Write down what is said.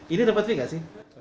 ini dapat fee gak sih